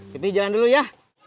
pipih jalan dulu ya